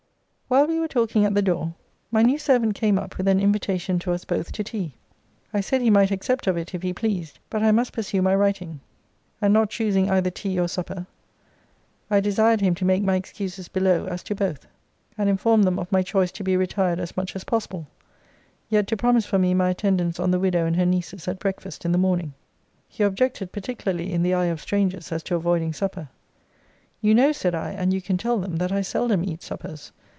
While we were talking at the door, my new servant came up with an invitation to us both to tea. I said he might accept of it, if he pleased: but I must pursue my writing; and not choosing either tea or supper, I desired him to make my excuses below, as to both; and inform them of my choice to be retired as much as possible; yet to promise for me my attendance on the widow and her nieces at breakfast in the morning. He objected particularly in the eye of strangers as to avoiding supper. You know, said I, and you can tell them, that I seldom eat suppers.